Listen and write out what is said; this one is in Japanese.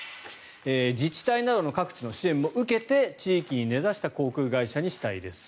自治体などの各地の支援を受けて地域に根差した航空会社にしたいです。